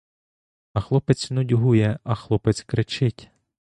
А хлопець нудьгує, а хлопець кричить.